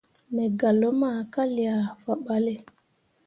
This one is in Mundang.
Me gah luma ka liah faɓalle.